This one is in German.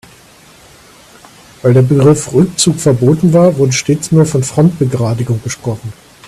Weil der Begriff Rückzug verboten war, wurde stets nur von Frontbegradigung gesprochen.